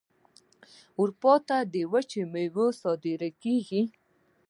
اروپا ته وچې میوې صادریږي.